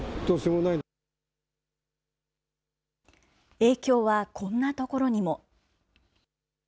影響はこんなところにも。